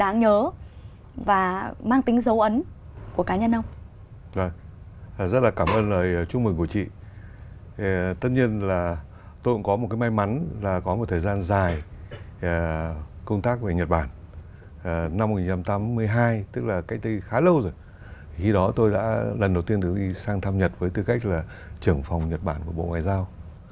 năm một nghìn chín trăm tám mươi hai tức là cách đây khá lâu rồi khi đó tôi đã lần đầu tiên được đi sang thăm nhật với tư cách là trưởng phòng nhật bản của bộ ngoại giao